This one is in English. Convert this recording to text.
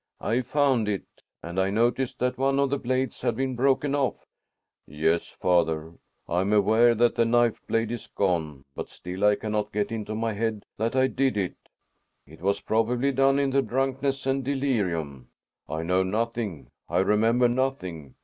"I found it and I noticed that one of the blades had been broken off." "Yes, father, I'm aware that the knife blade is gone, but still I cannot get it into my head that I did it." "It was probably done in the drunkenness and delirium." "I know nothing; I remember nothing.